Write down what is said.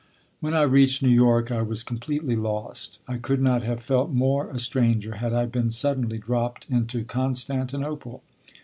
When I reached New York, I was completely lost. I could not have felt more a stranger had I been suddenly dropped into Constantinople.